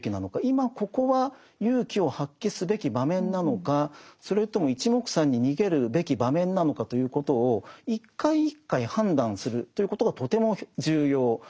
今ここは勇気を発揮すべき場面なのかそれともいちもくさんに逃げるべき場面なのかということを一回一回判断するということがとても重要なわけですね。